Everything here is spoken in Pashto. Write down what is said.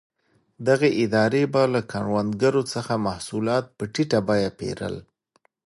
دغې ادارې به له کروندګرو څخه محصولات په ټیټه بیه پېرل.